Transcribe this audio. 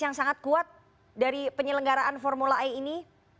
yang sangat kuat dari penyelenggaraan formula e ini